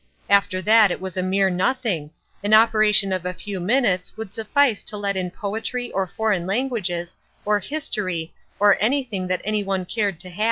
After that it was a mere nothing; an operation of a few minutes would suffice to let in poetry or foreign languages or history or anything else that one cared to have.